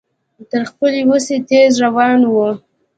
تر خپلې وسې تېز روان و.